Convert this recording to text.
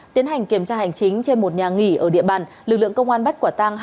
tiến hành kiểm tra hành chính trên một nhà nghỉ ở địa bàn lực lượng công an bắt quả tang